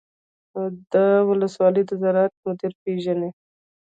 د ولسوالۍ د زراعت مدیر پیژنئ؟